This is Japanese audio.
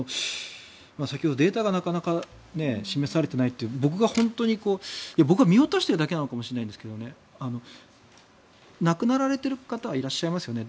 先ほど、データがなかなか示されていないという僕が見落としているだけかもしれませんが亡くなられている方もいらっしゃいますよね